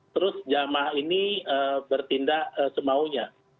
terus jamaah ini bertindak semaunya